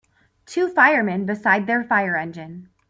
Two firemen beside their fire engine.